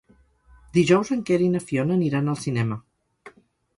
Dijous en Quer i na Fiona aniran al cinema.